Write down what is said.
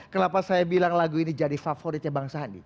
kenapa saya bilang lagu ini jadi favoritnya bang sandi